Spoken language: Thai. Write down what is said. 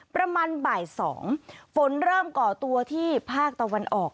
ประมาณบ่าย๒ฝนเริ่มก่อตัวที่ภาคตะวันออก